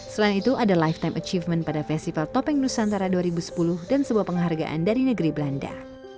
selain itu ada lifetime achievement pada festival topeng nusantara dua ribu sepuluh dan sebuah penghargaan dari negeri belanda